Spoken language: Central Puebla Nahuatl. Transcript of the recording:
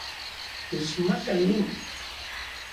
Techmaka nin